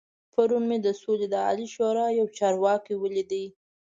پرون مې د سولې د عالي شورا يو چارواکی ولید.